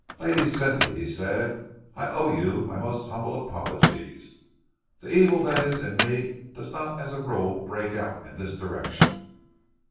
"Lady Cynthia," he said, "I owe you my most humble apologies. The evil that is in me does not as a rule break out in this direction."